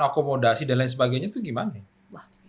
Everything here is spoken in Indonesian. akomodasi dan lain sebagainya itu gimana